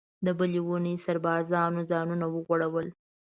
د بلې اوونۍ سربازانو ځانونه وغوړول.